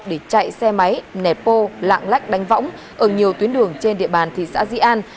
để chạy xe máy nẹt bô lạng lách đánh võng ở nhiều tuyến đường trên địa bàn thị xã di an